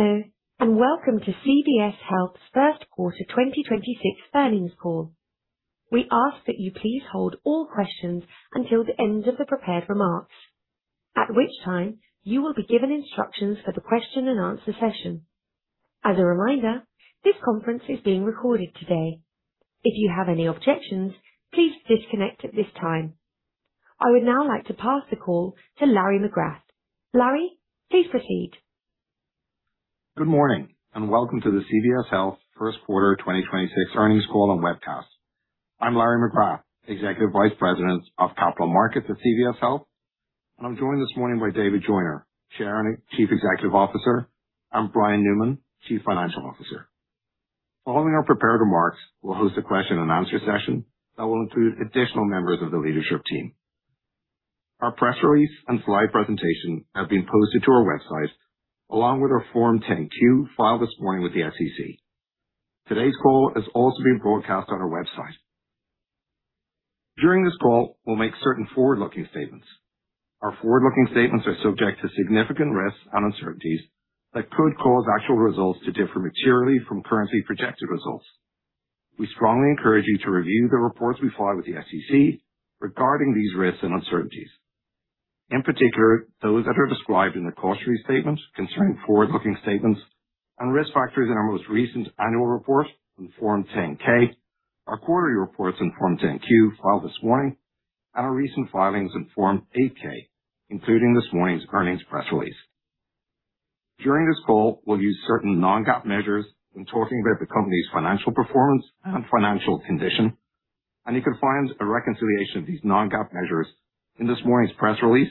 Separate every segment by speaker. Speaker 1: Hello, welcome to CVS Health's first quarter 2026 earnings call. We ask that you please hold all questions until the end of the prepared remarks, at which time you will be given instructions for the question-and-answer session. As a reminder, this conference is being recorded today. If you have any objections, please disconnect at this time. I would now like to pass the call to Laurence McGrath. Larry, please proceed.
Speaker 2: Good morning. Welcome to the CVS Health first quarter 2026 earnings call and webcast. I'm Laurence McGrath, Executive Vice President of Capital Markets at CVS Health, and I'm joined this morning by David Joyner, Chairman, Chief Executive Officer, and Brian Newman, Chief Financial Officer. Following our prepared remarks, we'll host a question-and-answer session that will include additional members of the leadership team. Our press release and slide presentation have been posted to our website along with our Form 10-Q filed this morning with the SEC. Today's call is also being broadcast on our website. During this call, we'll make certain forward-looking statements. Our forward-looking statements are subject to significant risks and uncertainties that could cause actual results to differ materially from currently projected results. We strongly encourage you to review the reports we file with the SEC regarding these risks and uncertainties, in particular, those that are described in the cautionary statement concerning forward-looking statements and risk factors in our most recent annual report on Form 10-K, our quarterly reports on Form 10-Q, filed this morning, and our recent filings on Form 8-K, including this morning's earnings press release. During this call, we'll use certain non-GAAP measures when talking about the company's financial performance and financial condition, and you can find a reconciliation of these non-GAAP measures in this morning's press release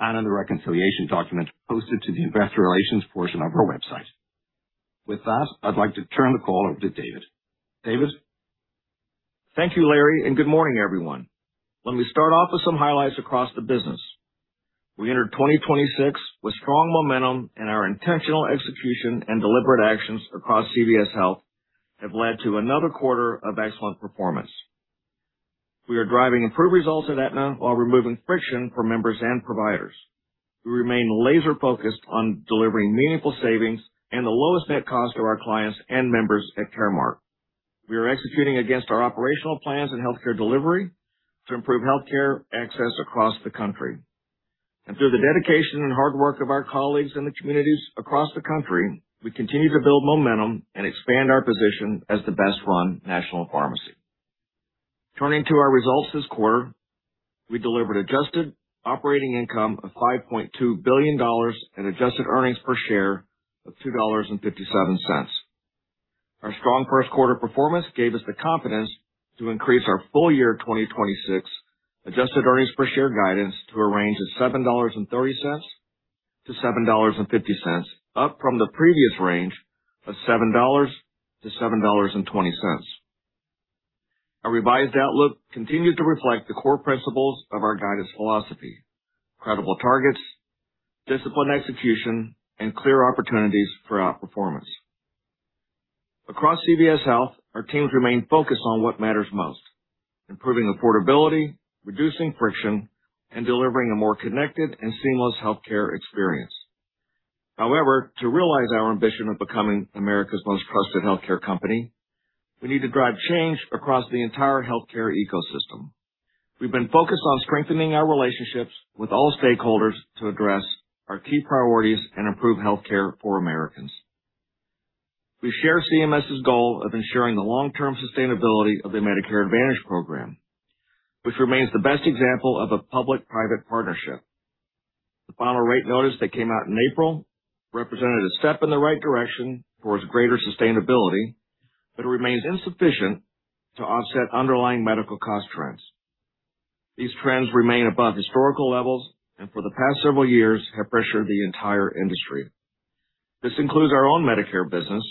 Speaker 2: and in the reconciliation, document posted to the investor relations portion of our website. With that, I'd like to turn the call over to David. David?
Speaker 3: Thank you, Larry, and good morning, everyone. Let me start off with some highlights across the business. We entered 2026 with strong momentum, and our intentional execution and deliberate actions across CVS Health have led to another quarter of excellent performance. We are driving improved results at Aetna while removing friction for members and providers. We remain laser focused on delivering meaningful savings and the lowest net cost to our clients and members at Caremark. We are executing against our operational plans in healthcare delivery to improve healthcare access across the country. Through the dedication and hard work of our colleagues in the communities across the country, we continue to build momentum and expand our position as the best run national pharmacy. Turning to our results this quarter, we delivered adjusted operating income of $5.2 billion and adjusted EPS of $2.57. Our strong first quarter performance gave us the confidence to increase our full year 2026 adjusted EPS guidance to a range of $7.30-$7.50, up from the previous range of $7.00-$7.20. Our revised outlook continues to reflect the core principles of our guidance philosophy, credible targets, disciplined execution, and clear opportunities for outperformance. Across CVS Health, our teams remain focused on what matters most, improving affordability, reducing friction, and delivering a more connected and seamless healthcare experience. However, to realize our ambition of becoming America's most trusted healthcare company, we need to drive change across the entire healthcare ecosystem. We've been focused on strengthening our relationships with all stakeholders to address our key priorities and improve healthcare for Americans. We share CMS's goal of ensuring the long-term sustainability of the Medicare Advantage program, which remains the best example of a public-private partnership. The final rate notice that came out in April represented a step in the right direction towards greater sustainability but remains insufficient to offset underlying medical cost trends. These trends remain above historical levels and for the past several years have pressured the entire industry. This includes our own Medicare business,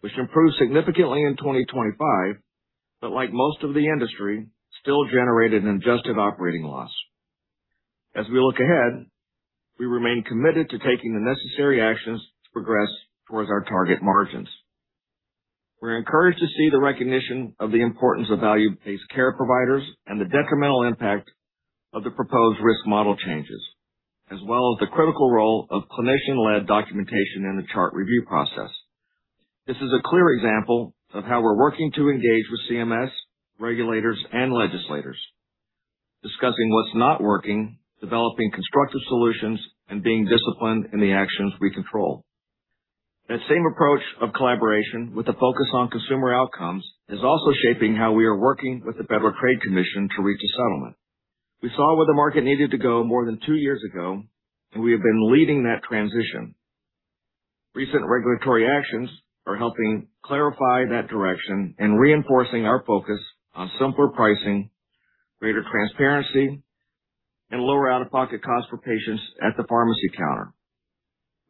Speaker 3: which improved significantly in 2025, but like most of the industry, still generated an adjusted operating loss. As we look ahead, we remain committed to taking the necessary actions to progress towards our target margins. We're encouraged to see the recognition of the importance of value-based care providers and the detrimental impact of the proposed risk model changes, as well as the critical role of clinician-led documentation in the chart review process. This is a clear example of how we're working to engage with CMS, regulators, and legislators, discussing what's not working, developing constructive solutions, and being disciplined in the actions we control. That same approach of collaboration with a focus on consumer outcomes is also shaping how we are working with the Federal Trade Commission to reach a settlement. We saw where the market needed to go more than two years ago, we have been leading that transition. Recent regulatory actions are helping clarify that direction and reinforcing our focus on simpler pricing, greater transparency, and lower out-of-pocket costs for patients at the pharmacy counter.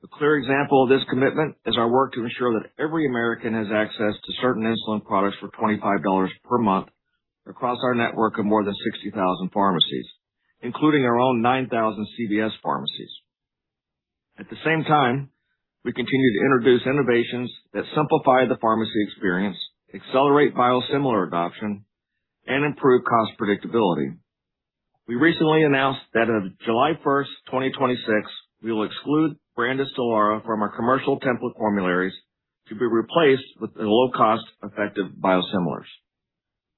Speaker 3: A clear example of this commitment is our work to ensure that every American has access to certain insulin products for $25 per month across our network of more than 60,000 pharmacies, including our own 9,000 CVS Pharmacy. At the same time, we continue to introduce innovations that simplify the pharmacy experience, accelerate biosimilar adoption, and improve cost predictability. We recently announced that on 1 July 2026, we will exclude brand STELARA from our commercial template formularies to be replaced with the low-cost effective biosimilars.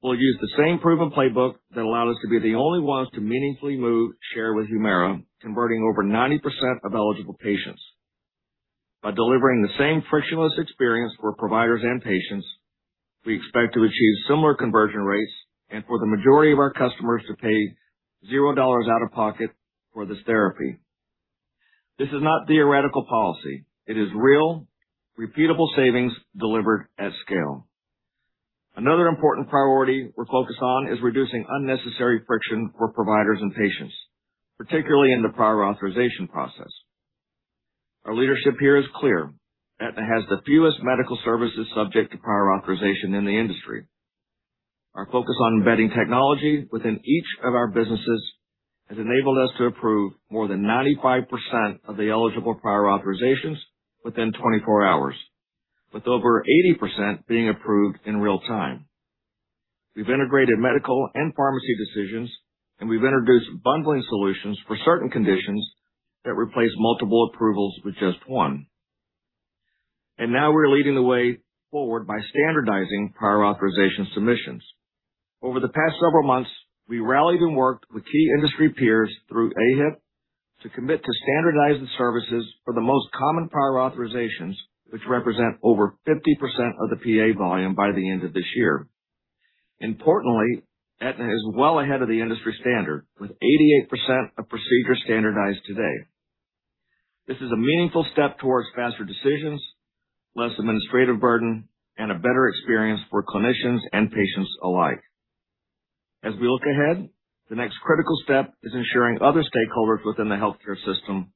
Speaker 3: We'll use the same proven playbook that allowed us to be the only ones to meaningfully move share with HUMIRA, converting over 90% of eligible patients. By delivering the same frictionless experience for providers and patients, we expect to achieve similar conversion rates and for the majority of our customers to pay $0 out of pocket for this therapy. This is not theoretical policy. It is real, repeatable savings delivered at scale. Another important priority we're focused on is reducing unnecessary friction for providers and patients, particularly in the prior authorization process. Our leadership here is clear. Aetna has the fewest medical services subject to prior authorization in the industry. Our focus on embedding technology within each of our businesses has enabled us to approve more than 95% of the eligible prior authorizations within 24 hours, with over 80% being approved in real time. We've integrated medical and pharmacy decisions, and we've introduced bundling solutions for certain conditions that replace multiple approvals with just one. Now we're leading the way forward by standardizing prior authorization submissions. Over the past several months, we rallied and worked with key industry peers through AHIP to commit to standardized services for the most common prior authorizations, which represent over 50% of the PA volume by the end of this year. Importantly, Aetna is well ahead of the industry standard, with 88% of procedures standardized today. This is a meaningful step towards faster decisions, less administrative burden, and a better experience for clinicians and patients alike. As we look ahead, the next critical step is ensuring other stakeholders within the healthcare system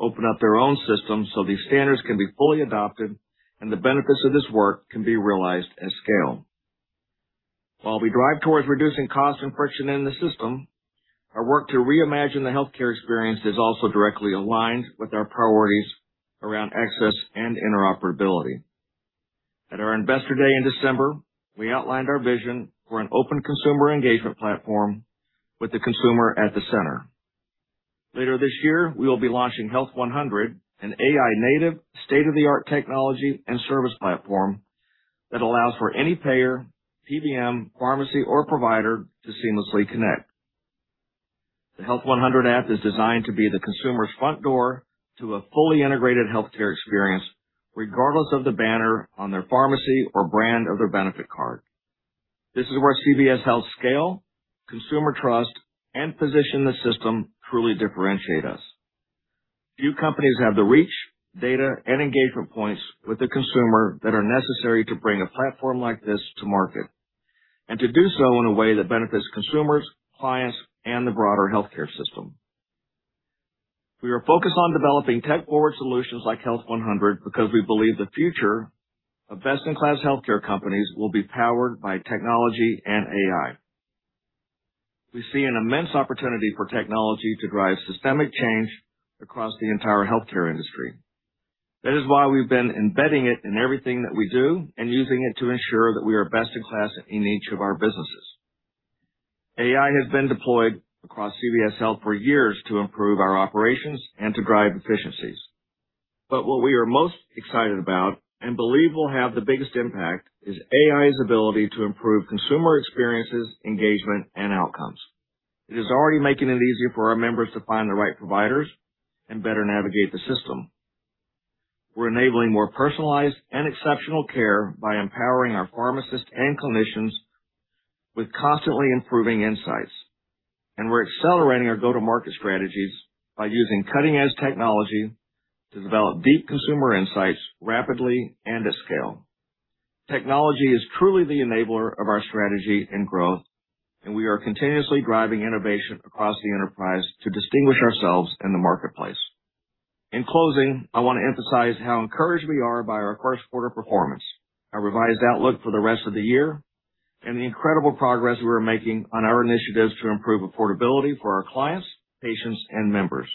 Speaker 3: open up their own system so these standards can be fully adopted and the benefits of this work can be realized at scale. While we drive towards reducing cost and friction in the system, our work to reimagine the healthcare experience is also directly aligned with our priorities around access and interoperability. At our Investor Day in December, we outlined our vision for an open consumer engagement platform with the consumer at the center. Later this year, we will be launching Health100, an AI native state-of-the-art technology and service platform that allows for any payer, PBM, pharmacy, or provider to seamlessly connect. The Health100 app is designed to be the consumer's front door to a fully integrated healthcare experience, regardless of the banner on their pharmacy or brand of their benefit card. This is where CVS Health scale, consumer trust, and position the system truly differentiate us. Few companies have the reach, data, and engagement points with the consumer that are necessary to bring a platform like this to market, and to do so in a way that benefits consumers, clients, and the broader healthcare system. We are focused on developing tech forward solutions like Health100 because we believe the future of best-in-class healthcare companies will be powered by technology and AI. We see an immense opportunity for technology to drive systemic change across the entire healthcare industry. That is why we've been embedding it in everything that we do and using it to ensure that we are best in class in each of our businesses. AI has been deployed across CVS Health for years to improve our operations and to drive efficiencies. What we are most excited about and believe will have the biggest impact is AI's ability to improve consumer experiences, engagement, and outcomes. It is already making it easier for our members to find the right providers and better navigate the system. We're enabling more personalized and exceptional care by empowering our pharmacists and clinicians with constantly improving insights. We're accelerating our go-to-market strategies by using cutting-edge technology to develop deep consumer insights rapidly and at scale. Technology is truly the enabler of our strategy and growth, and we are continuously driving innovation across the enterprise to distinguish ourselves in the marketplace. In closing, I want to emphasize how encouraged we are by our first quarter performance, our revised outlook for the rest of the year, and the incredible progress we're making on our initiatives to improve affordability for our clients, patients, and members.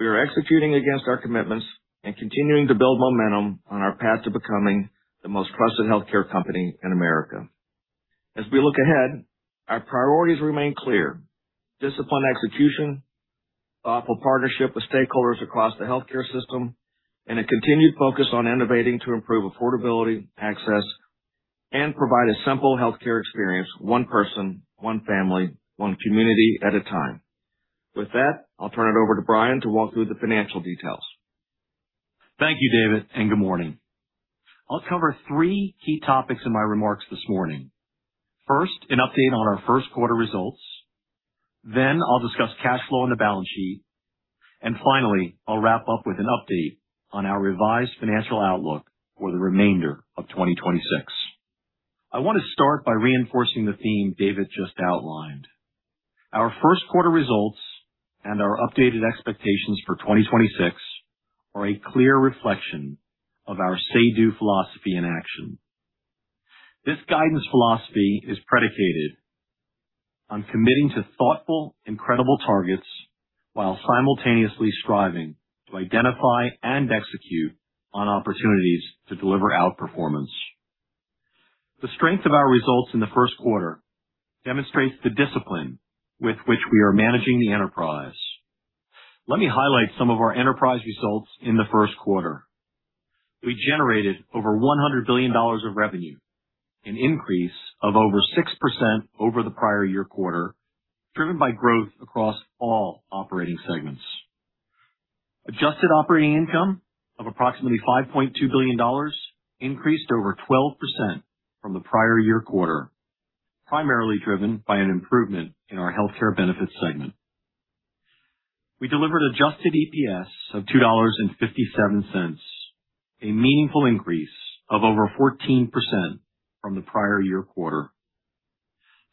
Speaker 3: We are executing against our commitments and continuing to build momentum on our path to becoming the most trusted healthcare company in America. As we look ahead, our priorities remain clear. Disciplined execution, thoughtful partnership with stakeholders across the healthcare system, and a continued focus on innovating to improve affordability, access, and provide a simple healthcare experience, one person, one family, one community at a time. With that, I'll turn it over to Brian to walk through the financial details.
Speaker 4: Thank you, David. Good morning. I'll cover three key topics in my remarks this morning. First, an update on our first quarter results. I'll discuss cash flow and the balance sheet. Finally, I'll wrap up with an update on our revised financial outlook for the remainder of 2026. I want to start by reinforcing the theme David just outlined. Our first quarter results and our updated expectations for 2026 are a clear reflection of our say/do philosophy in action. This guidance philosophy is predicated on committing to thoughtful, credible targets while simultaneously striving to identify and execute on opportunities to deliver outperformance. The strength of our results in the first quarter demonstrates the discipline with which we are managing the enterprise. Let me highlight some of our enterprise results in the first quarter. We generated over $100 billion of revenue, an increase of over 6% over the prior-year quarter, driven by growth across all operating segments. Adjusted operating income of approximately $5.2 billion increased over 12% from the prior-year quarter, primarily driven by an improvement in our Health Care Benefits segment. We delivered adjusted EPS of $2.57, a meaningful increase of over 14% from the prior-year quarter.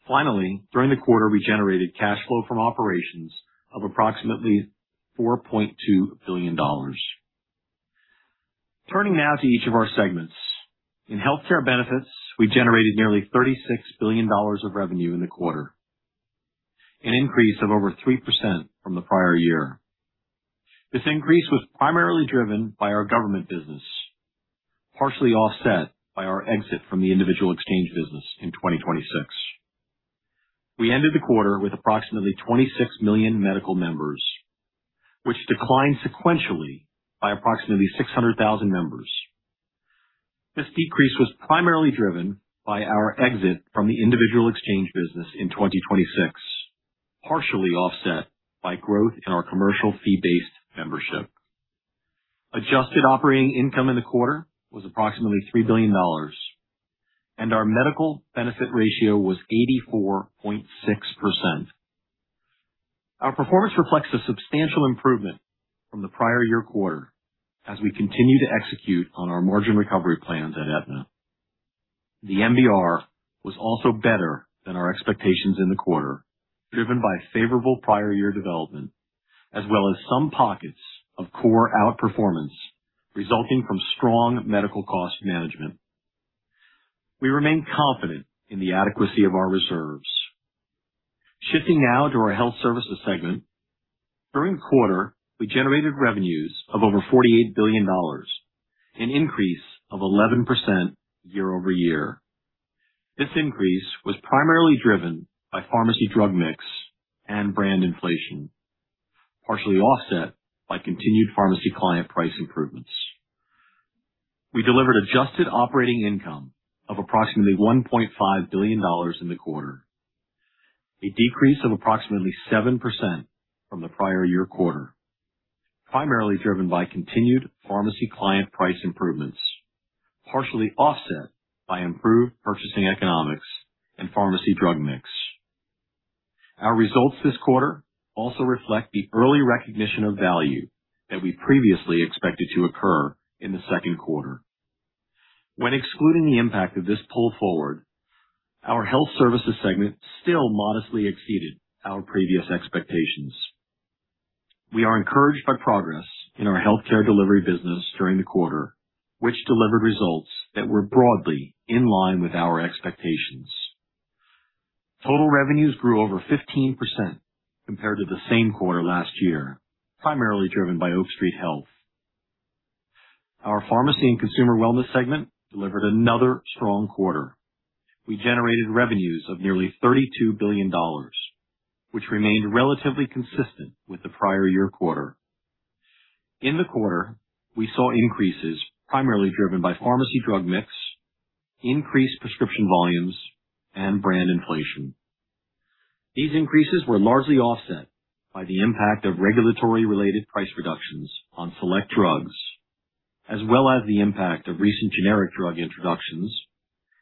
Speaker 4: Finally, during the quarter, we generated cash flow from operations of approximately $4.2 billion. Turning now to each of our segments. In Health Care Benefits, we generated nearly $36 billion of revenue in the quarter, an increase of over 3% from the prior-year. This increase was primarily driven by our government business, partially offset by our exit from the individual exchange business in 2026. We ended the quarter with approximately 26 million medical members, which declined sequentially by approximately 600,000 members. This decrease was primarily driven by our exit from the individual exchange business in 2026, partially offset by growth in our commercial fee-based membership. Adjusted operating income in the quarter was approximately $3 billion, Our medical benefit ratio was 84.6%. Our performance reflects a substantial improvement from the prior year quarter as we continue to execute on our margin recovery plans at Aetna. The MBR was also better than our expectations in the quarter, driven by favorable prior year development, as well as some pockets of core outperformance resulting from strong medical cost management. We remain confident in the adequacy of our reserves. Shifting now to our Health Services Segment. During the quarter, we generated revenues of over $48 billion, an increase of 11% year-over-year. This increase was primarily driven by pharmacy drug mix and brand inflation, partially offset by continued pharmacy client price improvements. We delivered adjusted operating income of approximately $1.5 billion in the quarter, a decrease of approximately 7% from the prior-year quarter, primarily driven by continued pharmacy client price improvements, partially offset by improved purchasing economics and pharmacy drug mix. Our results this quarter also reflect the early recognition of value that we previously expected to occur in the second quarter. When excluding the impact of this pull forward, our Health Services Segment still modestly exceeded our previous expectations. We are encouraged by progress in our healthcare delivery business during the quarter, which delivered results that were broadly in line with our expectations. Total revenues grew over 15% compared to the same quarter last year, primarily driven by Oak Street Health. Our Pharmacy and Consumer Wellness segment delivered another strong quarter. We generated revenues of nearly $32 billion, which remained relatively consistent with the prior year quarter. In the quarter, we saw increases primarily driven by pharmacy drug mix, increased prescription volumes, and brand inflation. These increases were largely offset by the impact of regulatory related price reductions on select drugs, as well as the impact of recent generic drug introductions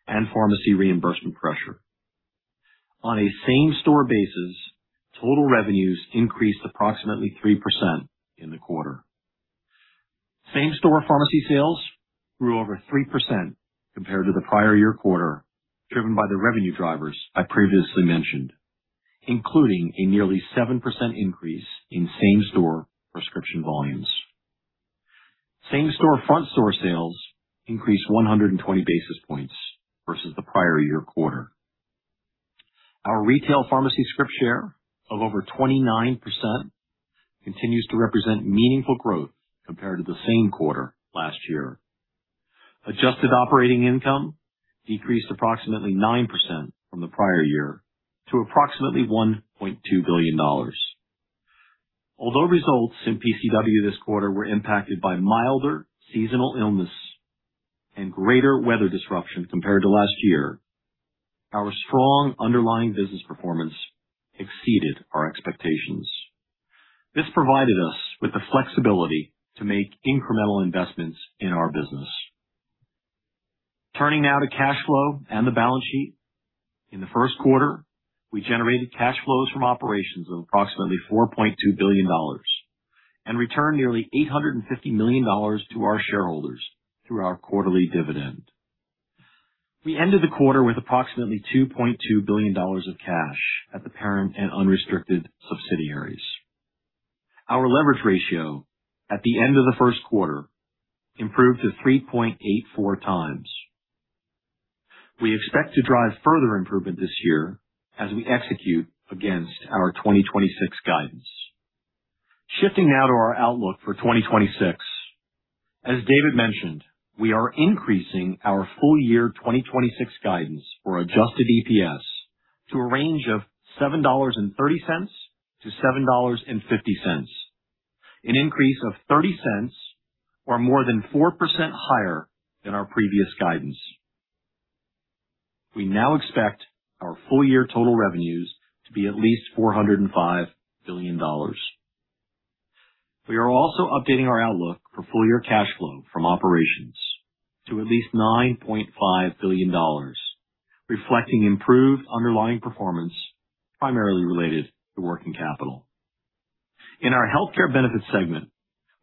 Speaker 4: and pharmacy reimbursement pressure. On a same-store basis, total revenues increased approximately 3% in the quarter. Same-store pharmacy sales grew over 3% compared to the prior year quarter, driven by the revenue drivers I previously mentioned, including a nearly 7% increase in same-store prescription volumes. Same-store front store sales increased 120 basis points versus the prior year quarter. Our retail pharmacy script share of over 29% continues to represent meaningful growth compared to the same quarter last year. Adjusted operating income decreased approximately 9% from the prior year to approximately $1.2 billion. Although results in PCW this quarter were impacted by milder seasonal illness and greater weather disruption compared to last year, our strong underlying business performance exceeded our expectations. This provided us with the flexibility to make incremental investments in our business. Turning now to cash flow and the balance sheet. In the first quarter, we generated cash flows from operations of approximately $4.2 billion and returned nearly $850 million to our shareholders through our quarterly dividend. We ended the quarter with approximately $2.2 billion of cash at the parent and unrestricted subsidiaries. Our leverage ratio at the end of the first quarter improved to 3.84 times. We expect to drive further improvement this year as we execute against our 2026 guidance. Shifting now to our outlook for 2026. As David mentioned, we are increasing our full year 2026 guidance for adjusted EPS to a range of $7.30-$7.50, an increase of $0.30 or more than 4% higher than our previous guidance. We now expect our full year total revenues to be at least $405 billion. We are also updating our outlook for full year cash flow from operations to at least $9.5 billion, reflecting improved underlying performance primarily related to working capital. In our Health Care Benefits segment,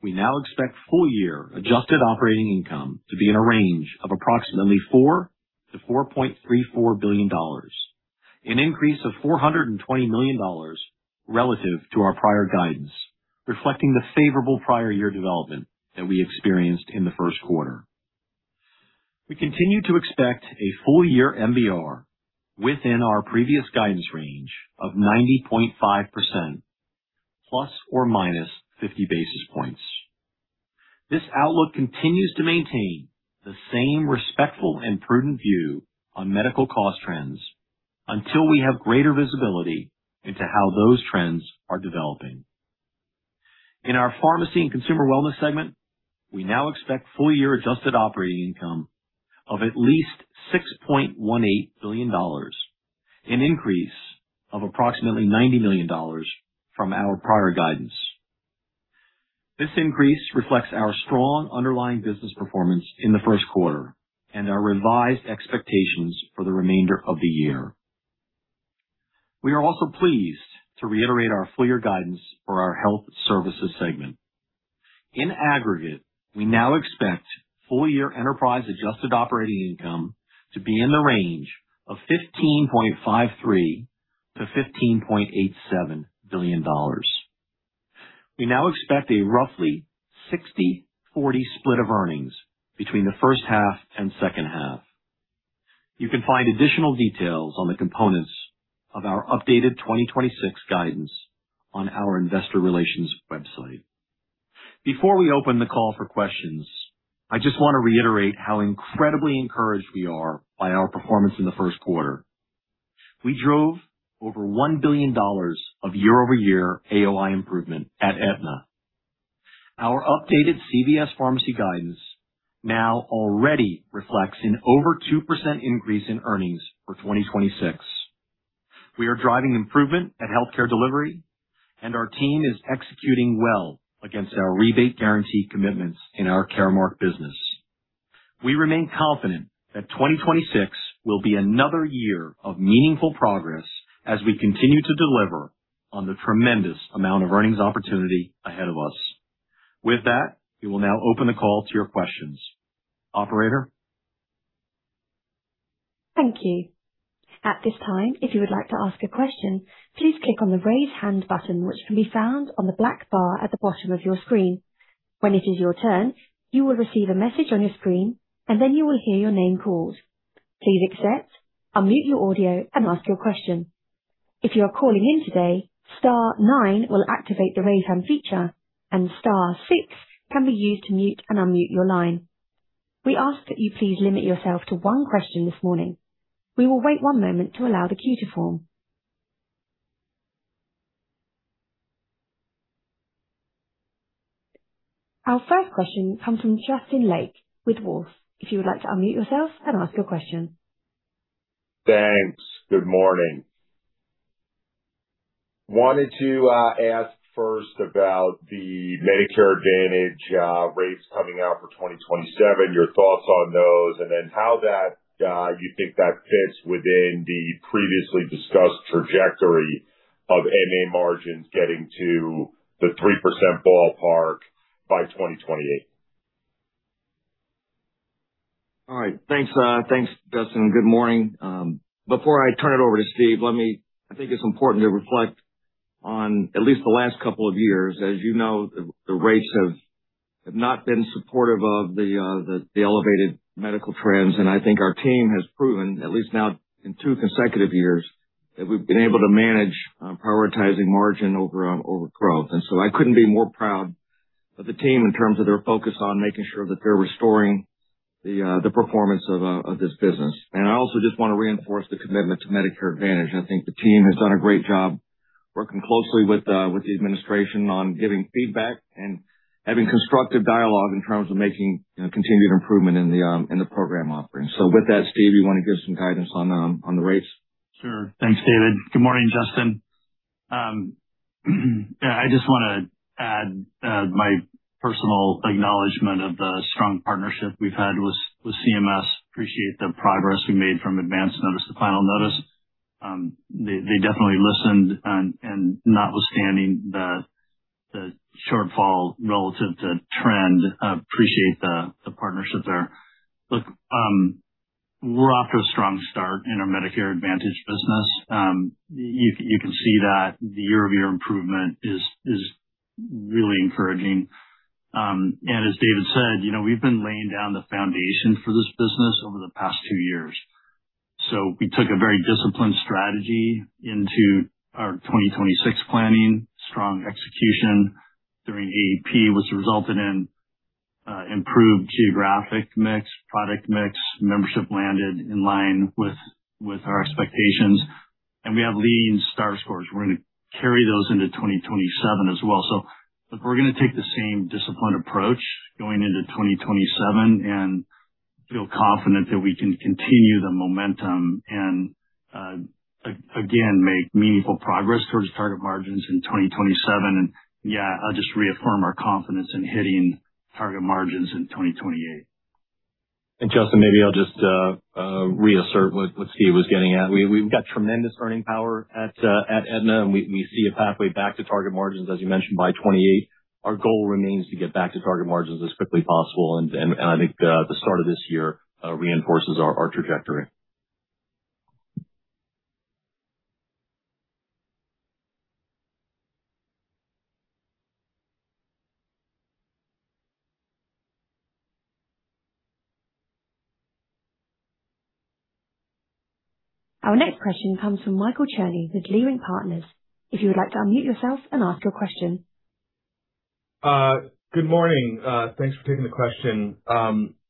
Speaker 4: we now expect full year adjusted operating income to be in a range of approximately $4 billion-$4.34 billion, an increase of $420 million relative to our prior guidance, reflecting the favorable prior year development that we experienced in the first quarter. We continue to expect a full year MBR within our previous guidance range of 90.5% ±50 basis points. This outlook continues to maintain the same respectful and prudent view on medical cost trends until we have greater visibility into how those trends are developing. In our Pharmacy & Consumer Wellness segment, we now expect full year adjusted operating income of at least $6.18 billion, an increase of approximately $90 million from our prior guidance. This increase reflects our strong underlying business performance in the first quarter and our revised expectations for the remainder of the year. We are also pleased to reiterate our full year guidance for our Health Services segment. In aggregate, we now expect full year enterprise adjusted operating income to be in the range of $15.53 billion-$15.87 billion. We now expect a roughly 60/40 split of earnings between the first half and second half. You can find additional details on the components of our updated 2026 guidance on our investor relations website. Before we open the call for questions, I just want to reiterate how incredibly encouraged we are by our performance in the first quarter. We drove over $1 billion of year-over-year AOI improvement at Aetna. Our updated CVS Pharmacy guidance now already reflects an over 2% increase in earnings for 2026. We are driving improvement at healthcare delivery, and our team is executing well against our rebate guarantee commitments in our Caremark business. We remain confident that 2026 will be another year of meaningful progress as we continue to deliver on the tremendous amount of earnings opportunity ahead of us. With that, we will now open the call to your questions. Operator?
Speaker 1: Thank you. At this time, if you would like to ask a question, please click on the Raise Hand button, which can be found on the black bar at the bottom of your screen. When it is your turn, you will receive a message on your screen, and then you will hear your name called. Please accept, unmute your audio, and ask your question. If you are calling in today, star nine will activate the Raise Hand feature, and star six can be used to mute and unmute your line. We ask that you please limit yourself to one question this morning. We will wait one moment to allow the queue to form. Our first question comes from Justin Lake with Wolfe. If you would like to unmute yourself and ask your question.
Speaker 5: Thanks. Good morning. Wanted to ask first about the Medicare Advantage rates coming out for 2027, your thoughts on those, and then how that you think that fits within the previously discussed trajectory of MA margins getting to the 3% ballpark by 2028.
Speaker 3: All right. Thanks, thanks, Justin. Good morning. Before I turn it over to Steve, I think it's important to reflect on at least the last couple of years. As you know, the rates have not been supportive of the elevated medical trends. I think our team has proven, at least now in two consecutive years, that we've been able to manage, prioritizing margin over over growth. I couldn't be more proud of the team in terms of their focus on making sure that they're restoring the performance of this business. I also just want to reinforce the commitment to Medicare Advantage. I think the team has done a great job working closely with the administration on giving feedback and having constructive dialogue in terms of making, you know, continued improvement in the program offerings. With that, Steve, you wanna give some guidance on the rates?
Speaker 6: Sure. Thanks, David. Good morning, Justin. Yeah, I just want to add my personal acknowledgement of the strong partnership we've had with CMS. Appreciate the progress we made from advanced notice to final notice. They definitely listened and notwithstanding the shortfall relative to trend, appreciate the partnership there. Look, we're off to a strong start in our Medicare Advantage business. You can see that the year-over-year improvement is really encouraging. As David said, you know, we've been laying down the foundation for this business over the past two years. We took a very disciplined strategy into our 2026 planning. Strong execution during AEP was resulted in improved geographic mix, product mix, membership landed in line with our expectations. We have leading star scores. We're gonna carry those into 2027 as well. Look, we're gonna take the same disciplined approach going into 2027 and feel confident that we can continue the momentum and again, make meaningful progress towards target margins in 2027. Yeah, I'll just reaffirm our confidence in hitting target margins in 2028.
Speaker 4: Justin, maybe I'll just reassert what Steve was getting at. We've got tremendous earning power at Aetna, and we see a pathway back to target margins, as you mentioned, by 2028. Our goal remains to get back to target margins as quickly possible. And I think the start of this year reinforces our trajectory.
Speaker 1: Our next question comes from Michael Cherny with Leerink Partners. If you would like to unmute yourself and ask your question.
Speaker 7: Good morning. Thanks for taking the question.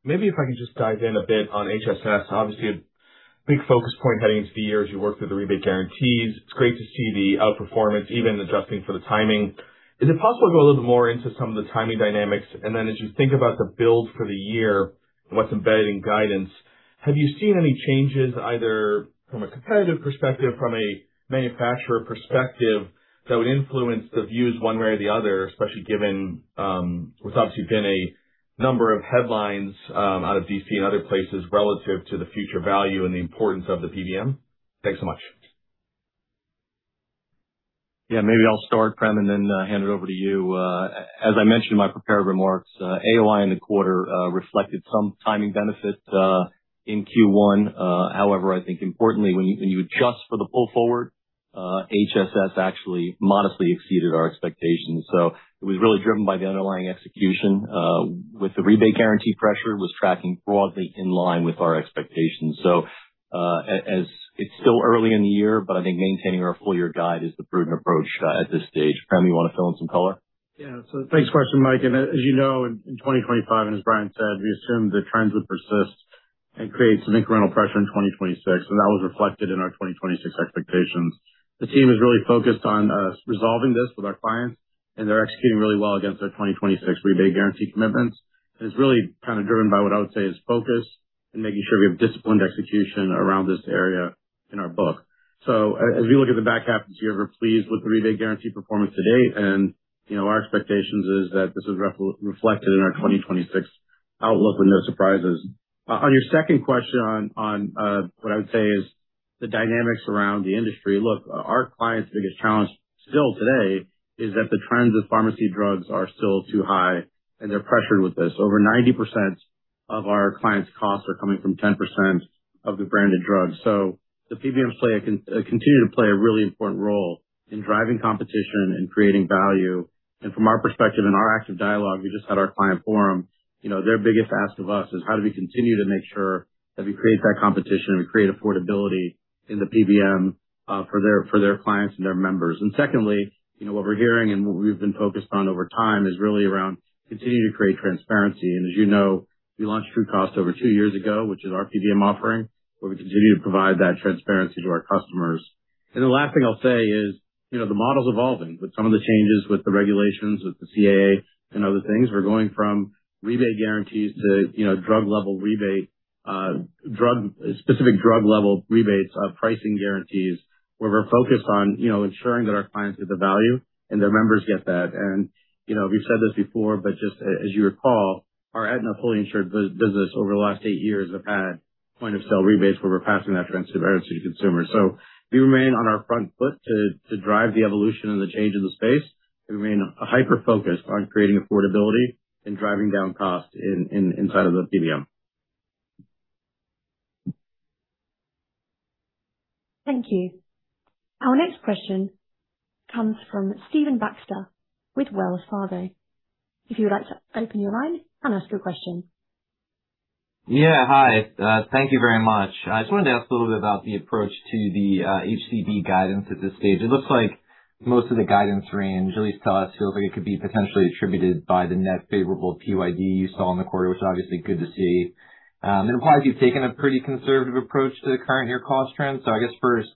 Speaker 7: Maybe if I could just dive in a bit on HSS. Obviously a big focus point heading into the year as you work through the rebate guarantees. It's great to see the outperformance even adjusting for the timing. Is it possible to go a little bit more into some of the timing dynamics? Then as you think about the build for the year and what's embedded in guidance, have you seen any changes either from a competitive perspective, from a manufacturer perspective that would influence the views one way or the other, especially given, what's obviously been a number of headlines, out of D.C. and other places relative to the future value and the importance of the PBM? Thanks so much.
Speaker 4: Yeah, maybe I'll start, Prem, and then hand it over to you. As I mentioned in my prepared remarks, AOI in the quarter reflected some timing benefits in Q1. I think importantly, when you, when you adjust for the pull forward, HSS actually modestly exceeded our expectations. It was really driven by the underlying execution, with the rebate guarantee pressure was tracking broadly in line with our expectations. As it's still early in the year, but I think maintaining our full year guide is the prudent approach at this stage. Prem, you wanna fill in some color?
Speaker 8: Yeah. Thanks for the question, Mike. As you know, in 2025, and as Brian said, we assumed the trends would persist and create some incremental pressure in 2026, and that was reflected in our 2026 expectations. The team is really focused on resolving this with our clients, and they're executing really well against their 2026 rebate guarantee commitments. It's really kind of driven by what I would say is focus and making sure we have disciplined execution around this area in our book. As we look at the back half of this year, we're pleased with the rebate guarantee performance to date. You know, our expectations is that this is reflected in our 2026 outlook with no surprises. On your second question on what I would say is the dynamics around the industry. Look, our clients' biggest challenge still today is that the trends of pharmacy drugs are still too high, and they're pressured with this. Over 90% of our clients' costs are coming from 10% of the branded drugs. The PBMs continue to play a really important role in driving competition and creating value. From our perspective and our active dialogue, we just had our client forum, you know, their biggest ask of us is how do we continue to make sure that we create that competition and create affordability in the PBM for their clients and their members. Secondly, you know, what we're hearing and what we've been focused on over time is really around continue to create transparency. As you know, we launched TrueCost over two years ago, which is our PBM offering, where we continue to provide that transparency to our customers. The last thing I'll say is, you know, the model's evolving with some of the changes with the regulations, with the CAA and other things. We're going from rebate guarantees to, you know, drug level rebate, specific drug level rebates, pricing guarantees, where we're focused on, you know, ensuring that our clients get the value and their members get that. You know, we've said this before, but just as you recall, our Aetna fully insured business over the last eight years have had point of sale rebates where we're passing that advantage to consumers. We remain on our front foot to drive the evolution and the change of the space. We remain hyper-focused on creating affordability and driving down cost inside of the PBM.
Speaker 1: Thank you. Our next question comes from Stephen Baxter with Wells Fargo. If you would like to open your line and ask your question.
Speaker 9: Hi. Thank you very much. I just wanted to ask a little bit about the approach to the HCB guidance at this stage. It looks like most of the guidance range, at least to us, feels like it could be potentially attributed by the net favorable PYD you saw in the quarter, which is obviously good to see. It requires you've taken a pretty conservative approach to the current year cost trends. I guess first,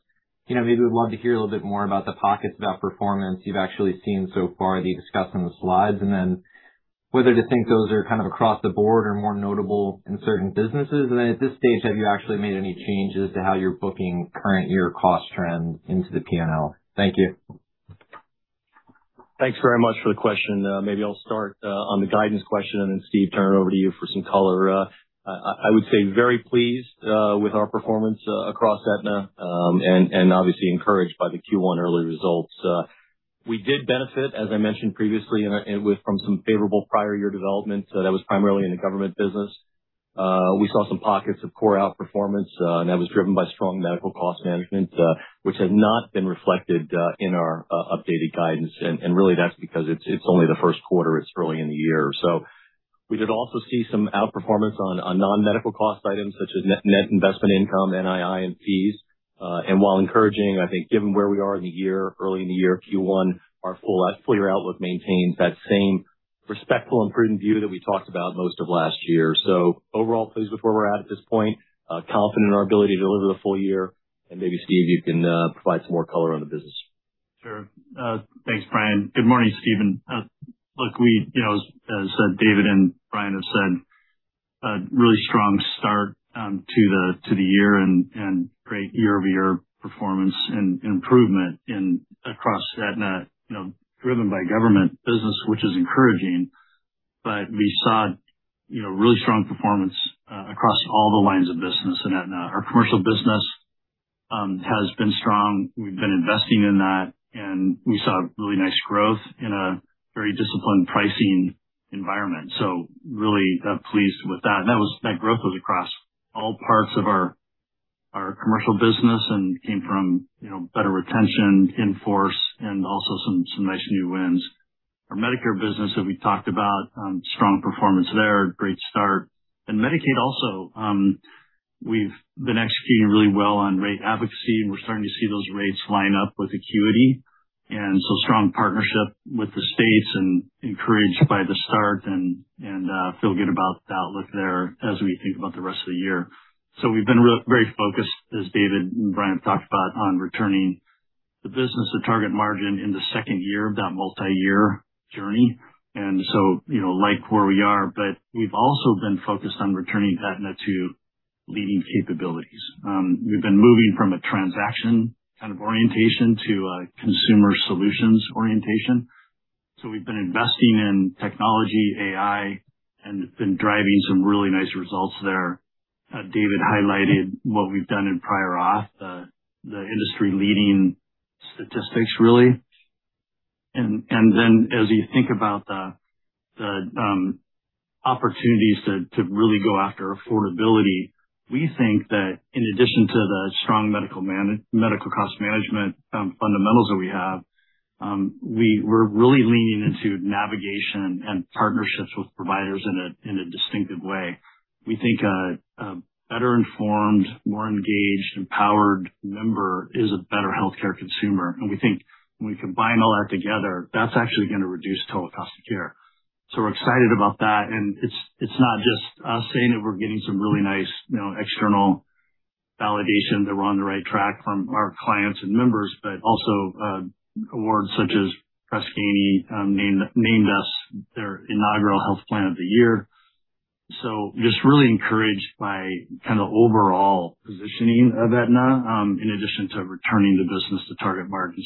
Speaker 9: you know, maybe we'd love to hear a little bit more about the pockets of outperformance you've actually seen so far that you discussed in the slides, and then whether to think those are kind of across the board or more notable in certain businesses. At this stage, have you actually made any changes to how you're booking current year cost trends into the P&L? Thank you.
Speaker 4: Thanks very much for the question. Maybe I'll start on the guidance question and then Steve turn it over to you for some color. I would say very pleased with our performance across Aetna and obviously encouraged by the Q1 early results. We did benefit, as I mentioned previously, from some favorable prior year developments, that was primarily in the government business. We saw some pockets of core outperformance, and that was driven by strong medical cost management, which has not been reflected in our updated guidance. And really that's because it's only the first quarter, it's early in the year. We did also see some outperformance on non-medical cost items such as net investment income, NII, and fees. While encouraging, I think given where we are in the year, early in the year, Q1, our full year outlook maintains that same respectful and prudent view that we talked about most of last year. Overall, pleased with where we're at at this point. Confident in our ability to deliver the full year. Maybe, Steve, you can provide some more color on the business.
Speaker 6: Sure. Thanks, Brian. Good morning, Stephen. Look, we, you know, as David and Brian have said, a really strong start to the year and great year-over-year performance and improvement across Aetna, you know, driven by government business, which is encouraging. We saw, you know, really strong performance across all the lines of business at Aetna. Our commercial business has been strong. We've been investing in that; we saw really nice growth in a very disciplined pricing environment. Really pleased with that. That growth was across all parts of our commercial business and came from, you know, better retention in force and also some nice new wins. Our Medicare business that we talked about, strong performance there, great start. Medicaid also, we've been executing really well on rate advocacy, and we're starting to see those rates line up with acuity. Strong partnership with the states and encouraged by the start and feel good about the outlook there as we think about the rest of the year. We've been very focused, as David and Brian talked about, on returning the business to target margin in the second year of that multiyear journey. You know, like where we are, but we've also been focused on returning Aetna to leading capabilities. We've been moving from a transaction kind of orientation to a consumer solutions orientation. We've been investing in technology, AI, and it's been driving some really nice results there. David highlighted what we've done in prior auth, the industry leading statistics, really. Then as you think about the opportunities to really go after affordability, we think that in addition to the strong medical cost management fundamentals that we have, we're really leaning into navigation and partnerships with providers in a distinctive way. We think a better informed, more engaged, empowered member is a better healthcare consumer. We think when we combine all that together, that's actually gonna reduce total cost of care. We're excited about that. It's not just us saying it, we're getting some really nice, you know, external validation that we're on the right track from our clients and members, but also, awards such as Press Ganey named us their inaugural Health Plan of the Year. Just really encouraged by kind of the overall positioning of Aetna, in addition to returning the business to target margin.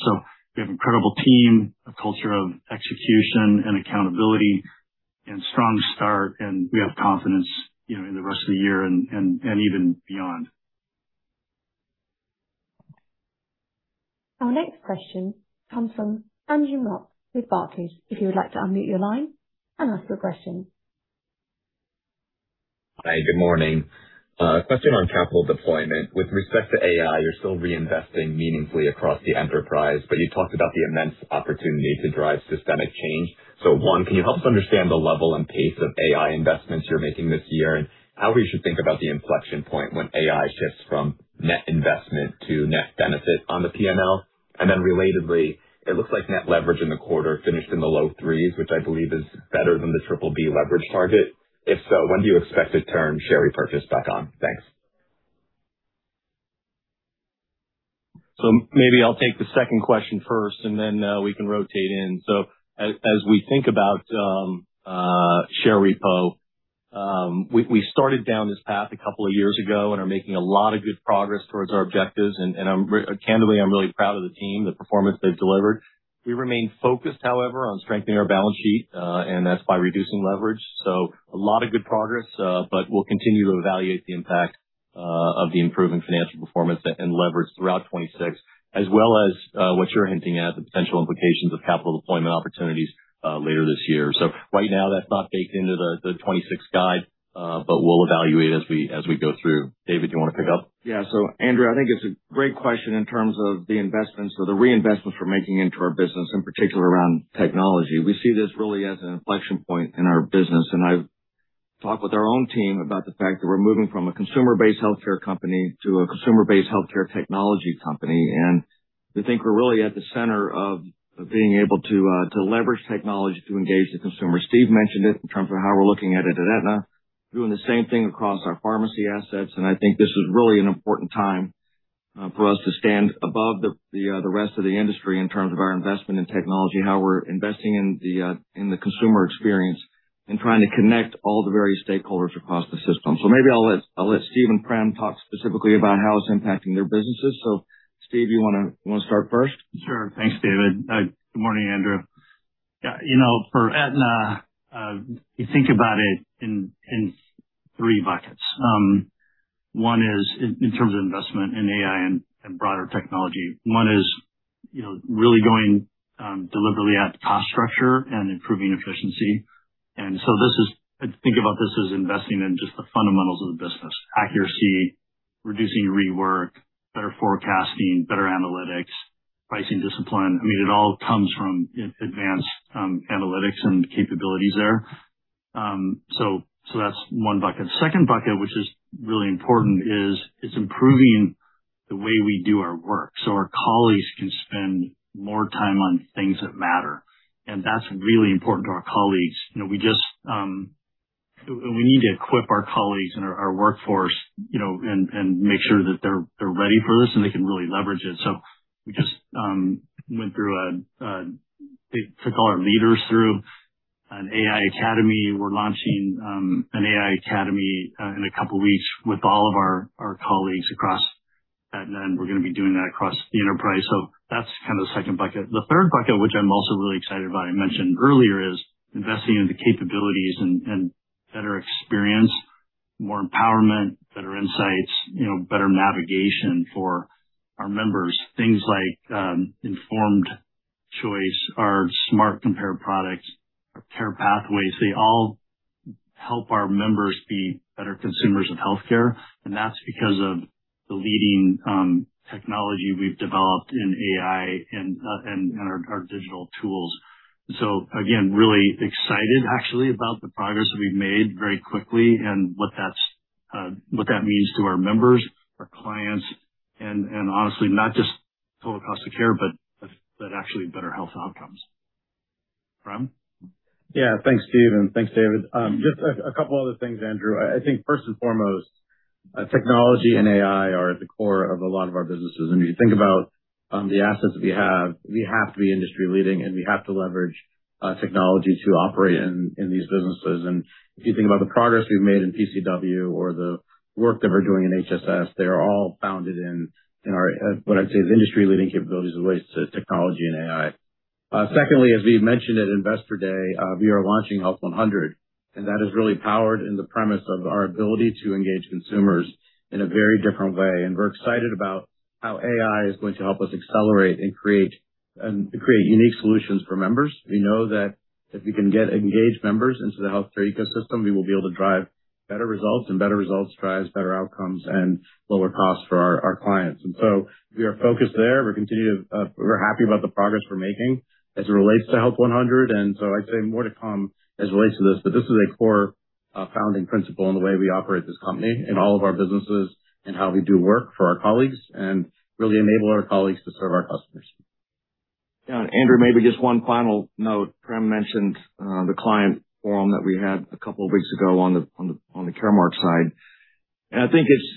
Speaker 6: We have incredible team, a culture of execution and accountability and strong start, and we have confidence, you know, in the rest of the year and even beyond.
Speaker 1: Our next question comes from Andrew Mok with Barclays. If you would like to unmute your line and ask your question.
Speaker 10: Hi, good morning. Question on capital deployment. With respect to AI, you're still reinvesting meaningfully across the enterprise, but you talked about the immense opportunity to drive systemic change. One, can you help us understand the level and pace of AI investments you're making this year? How we should think about the inflection point when AI shifts from net investment to net benefit on the P&L? Then relatedly, it looks like net leverage in the quarter finished in the low 3s, which I believe is better than the BBB leverage target. If so, when do you expect to turn share repurchase back on? Thanks.
Speaker 4: Maybe I'll take the second question first, and then we can rotate in. As we think about share repo, we started down this path a couple of years ago and are making a lot of good progress towards our objectives. Candidly, I'm really proud of the team, the performance they've delivered. We remain focused, however, on strengthening our balance sheet, and that's by reducing leverage. A lot of good progress, but we'll continue to evaluate the impact of the improving financial performance and leverage throughout 2026, as well as what you're hinting at, the potential implications of capital deployment opportunities later this year. Right now that's not baked into the 2026 guide, but we'll evaluate as we go through. David, do you wanna pick up?
Speaker 3: Andrew, I think it's a great question in terms of the investments or the reinvestments we're making into our business, in particular around technology. We see this really as an inflection point in our business, and I've talked with our own team about the fact that we're moving from a consumer-based healthcare company to a consumer-based healthcare technology company. I think we're really at the center of being able to leverage technology to engage the consumer. Steve mentioned it in terms of how we're looking at it at Aetna. Doing the same thing across our pharmacy assets. I think this is really an important time for us to stand above the rest of the industry in terms of our investment in technology and how we're investing in the consumer experience and trying to connect all the various stakeholders across the system. Maybe I'll let, I'll let Steve and Prem talk specifically about how it's impacting their businesses. Steve, you wanna start first?
Speaker 6: Sure. Thanks, David. Good morning, Andrew. You know, for Aetna, you think about it in three buckets. One is in terms of investment in AI and broader technology. One is, you know, really going deliberately at cost structure and improving efficiency. I think about this as investing in just the fundamentals of the business, accuracy, reducing rework, better forecasting, better analytics. Pricing discipline. I mean, it all comes from advanced analytics and capabilities there. That's one bucket. Second bucket, which is really important, is it's improving the way we do our work so our colleagues can spend more time on things that matter. That's really important to our colleagues. You know, we just, we need to equip our colleagues and our workforce, you know, and make sure that they're ready for this and they can really leverage it. We just took all our leaders through an AI academy. We're launching an AI academy in a couple weeks with all of our colleagues across Aetna, and we're gonna be doing that across the enterprise. That's kind of the second bucket. The third bucket, which I'm also really excited about, I mentioned earlier, is investing in the capabilities and better experience, more empowerment, better insights, you know, better navigation for our members. Things like Informed Choice, our Smart Compare products, our care pathways, they all help our members be better consumers of healthcare. That's because of the leading technology we've developed in AI and our digital tools. Again, really excited actually about the progress that we've made very quickly and what that means to our members, our clients, and honestly, not just total cost of care, but actually better health outcomes. Prem?
Speaker 8: Yeah, thanks, Steve, and thanks, David. Just a couple other things, Andrew. I think first and foremost, technology and AI are at the core of a lot of our businesses. When you think about the assets that we have, we have to be industry leading, and we have to leverage technology to operate in these businesses. If you think about the progress we've made in PCW or the work that we're doing in HSS, they are all founded in our what I'd say is industry-leading capabilities relates to technology and AI. Secondly, as we mentioned at Investor Day, we are launching Health100, that is really powered in the premise of our ability to engage consumers in a very different way. We're excited about how AI is going to help us accelerate and create unique solutions for members. We know that if we can get engaged members into the healthcare ecosystem, we will be able to drive better results, and better results drives better outcomes and lower costs for our clients. We are focused there. We're happy about the progress we're making as it relates to Health100. I'd say more to come as it relates to this. This is a core founding principle in the way we operate this company in all of our businesses and how we do work for our colleagues and really enable our colleagues to serve our customers.
Speaker 3: Yeah. Andrew, maybe just one final note. Prem mentioned the client forum that we had a couple of weeks ago on the CVS Caremark side. I think it's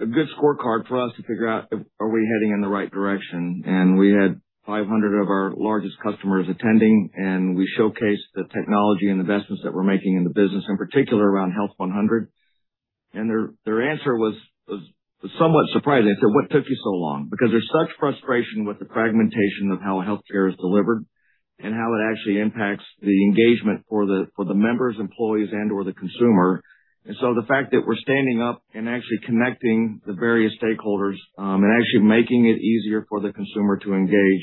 Speaker 3: a good scorecard for us to figure out if are we heading in the right direction. We had 500 of our largest customers attending, and we showcased the technology and investments that we're making in the business, in particular around Health100. Their answer was somewhat surprising. They said, "What took you so long?" Because there's such frustration with the fragmentation of how healthcare is delivered and how it actually impacts the engagement for the members, employees, and/or the consumer. The fact that we're standing up and actually connecting the various stakeholders, and actually making it easier for the consumer to engage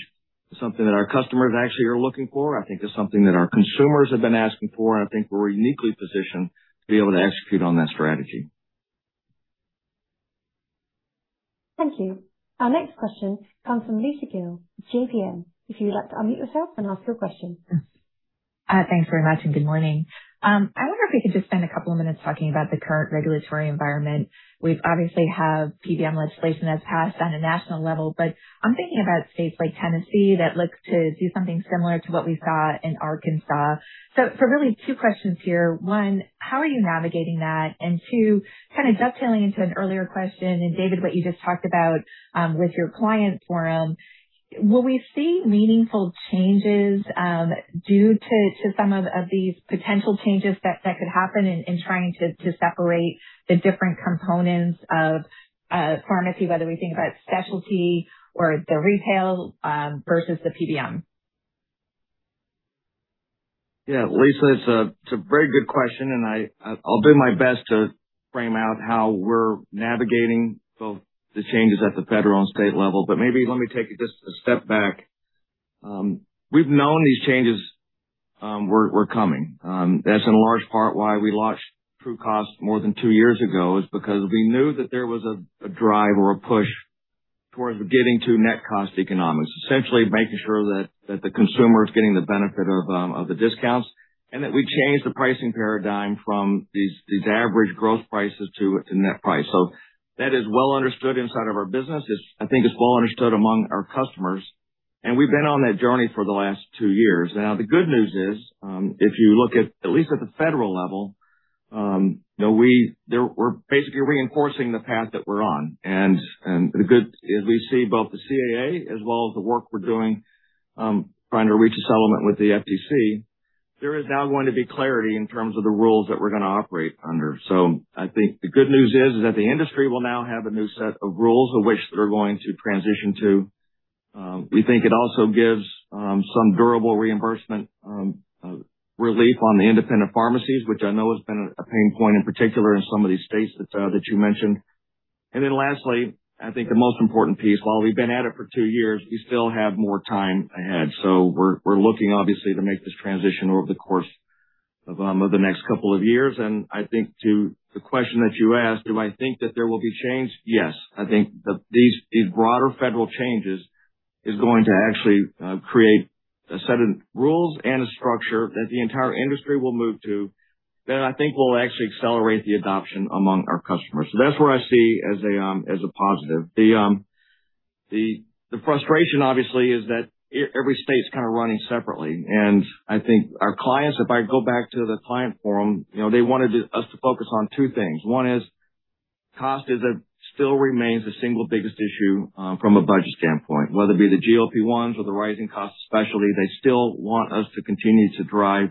Speaker 3: is something that our customers actually are looking for, and I think is something that our consumers have been asking for, and I think we're uniquely positioned to be able to execute on that strategy.
Speaker 1: Thank you. Our next question comes from Lisa Gill from JPM. If you'd like to unmute yourself and ask your question.
Speaker 11: Thanks very much, and good morning. I wonder if we could just spend a couple of minutes talking about the current regulatory environment. We obviously have PBM legislation that's passed on a national level, but I'm thinking about states like Tennessee that looks to do something similar to what we saw in Arkansas. Really two questions here. One, how are you navigating that? Two, kind of dovetailing into an earlier question and David Joyner, what you just talked about, with your client forum, will we see meaningful changes, due to some of these potential changes that could happen in trying to separate the different components of pharmacy, whether we think about specialty or the retail, versus the PBM?
Speaker 3: Yeah. Lisa, it's a very good question, I'll do my best to frame out how we're navigating both the changes at the federal and state level. Maybe let me take it just a step back. We've known these changes were coming. That's in large part why we launched TrueCost more than two years ago, is because we knew that there was a drive or a push towards getting to net cost economics, essentially making sure that the consumer is getting the benefit of the discounts, and that we change the pricing paradigm from these average gross prices to a net price. That is well understood inside of our business. It's, I think, it's well understood among our customers, and we've been on that journey for the last two years now. The good news is, if you look at least at the federal level, you know, we're basically reinforcing the path that we're on. The good is we see both the CAA as well as the work we're doing, trying to reach a settlement with the FTC. There is now going to be clarity in terms of the rules that we're gonna operate under. I think the good news is that the industry will now have a new set of rules of which they're going to transition to. We think it also gives some durable reimbursement relief on the independent pharmacies, which I know has been a pain point in particular in some of these states that you mentioned. Lastly, I think the most important piece, while we've been at it for two years, we still have more time ahead. We're looking obviously to make this transition over the course of the next two years. I think to the question that you asked, do I think that there will be change? Yes, I think that these broader federal changes is going to actually create a set of rules and a structure that the entire industry will move to, that I think will actually accelerate the adoption among our customers. That's where I see as a positive. The frustration obviously is that every state's kind of running separately. I think our clients, if I go back to the client forum, you know, they wanted us to focus on two things. One is cost is a, still remains the single biggest issue from a budget standpoint, whether it be the GLP-1s or the rising cost of specialty, they still want us to continue to drive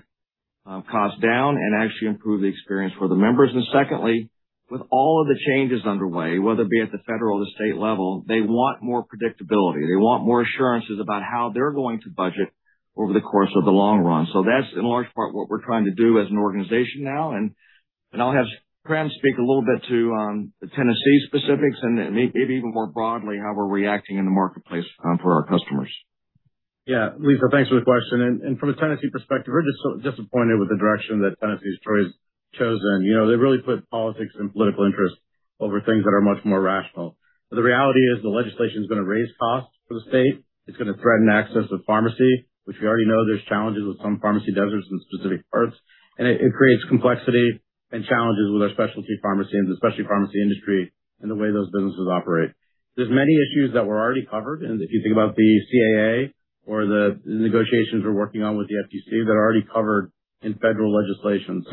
Speaker 3: costs down and actually improve the experience for the members. Secondly, with all of the changes underway, whether it be at the federal or the state level, they want more predictability. They want more assurances about how they're going to budget over the course of the long run. That's in large part what we're trying to do as an organization now. I'll have Prem speak a little bit to the Tennessee specifics and maybe even more broadly, how we're reacting in the marketplace for our customers.
Speaker 8: Yeah. Lisa, thanks for the question. From a Tennessee perspective, we're disappointed with the direction that Tennessee's choice chosen. You know, they really put politics and political interest over things that are much more rational. The reality is the legislation is gonna raise costs for the state. It's gonna threaten access to pharmacy, which we already know there's challenges with some pharmacy deserts in specific parts, and it creates complexity and challenges with our specialty pharmacy and the specialty pharmacy industry and the way those businesses operate. There's many issues that were already covered, and if you think about the CAA or the negotiations we're working on with the FTC that are already covered in federal legislation.